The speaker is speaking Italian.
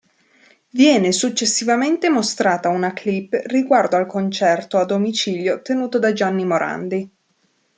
Viene successivamente mostrata una clip riguardo al concerto a domicilio tenuto da Gianni Morandi.